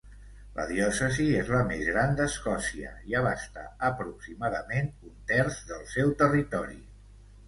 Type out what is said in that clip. La diòcesi és la més gran d'Escòcia, i abasta aproximadament un terç del seu territori.